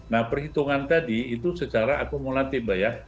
nah perhitungan tadi itu secara akumulatif mbak ya